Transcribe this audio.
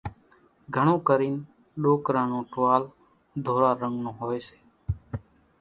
گھڻون ڪرينَ ڏوڪران نون ٽووال ڌورا رنڳ نون هوئيَ سي۔